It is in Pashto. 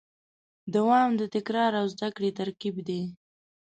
دوام د تکرار او زدهکړې ترکیب دی.